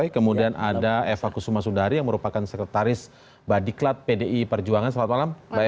kemudian ada eva kusuma sundari yang merupakan sekretaris badiklat pdi perjuangan selamat malam